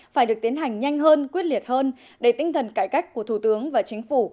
phải được tiến hành nhanh hơn quyết liệt hơn để tinh thần cải cách của thủ tướng và chính phủ